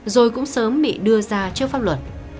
rồi cũng sớm bị đưa ra trước pháp luật